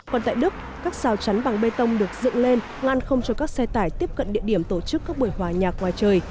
còn tại đức các rào chắn bằng bê tông được dựng lên ngăn không cho các xe tải tiếp cận địa điểm tổ chức các buổi hòa nhạc ngoài trời